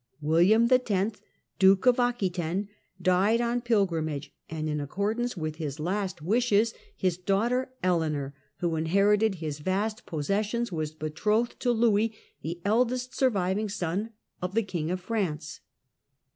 William X., Duke of Aquitaine, died on pilgrimage, and, in accordance with his last wishes, his daughter Eleanor, who inherited his vast possessions, was betrothed to Louis, the eldest surviving son of the king of France.